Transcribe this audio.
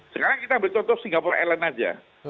sekarang kita ambil contoh singapore island aja